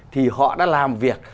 thì họ đã làm việc